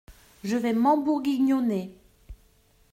Je vais m’embourguignonner.